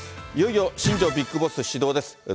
いよいよ新庄ビッグボス始動です。